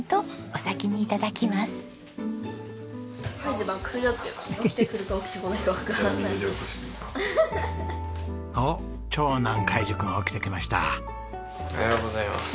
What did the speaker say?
おはようございます。